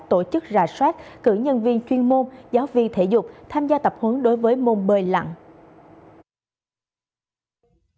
tổ chức rà soát cử nhân viên chuyên môn giáo viên thể dục tham gia tập hướng đối với môn bơi lặng